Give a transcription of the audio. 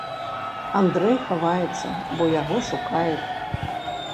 Андрэй хаваецца, бо яго шукаюць.